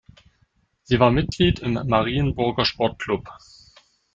Sie war Mitglied im Marienburger Sport-Club.